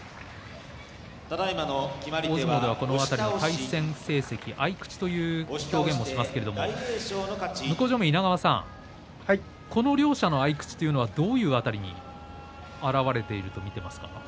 大相撲では、この辺りの対戦成績合い口という表現もしますけれども向正面の稲川さんこの両者の合い口というのはどういう辺りに表れていると見ていますか？